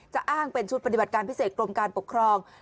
อ้างเป็นชุดปฏิบัติการพิเศษกรมการปกครอง